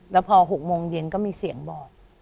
แล้วพอ๖โมงเย็นก็มีเสียงบอก